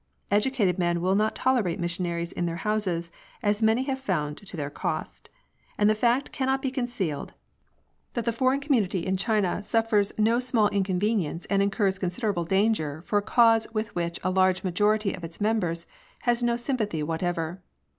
Educated men will not tolerate missionaries in their houses, as many have found to their cost; and the fact cannot be concealed that the foreign community CHRISTIANITY. 193 in China suffers no small inconvenience and incurs considerable danger for a cause with which a large majority of its members has no sympathy whatever.